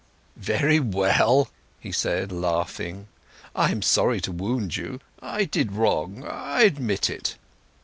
"Very well," he said, laughing; "I am sorry to wound you. I did wrong—I admit it."